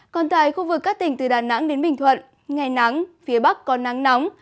còn tại khu vực các tỉnh từ đà nẵng đến bình thuận ngày nắng phía bắc có nắng nóng